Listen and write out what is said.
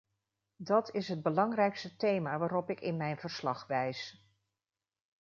Dat is het belangrijkste thema waarop ik in mijn verslag wijs.